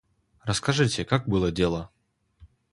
Расскажите, как было дело.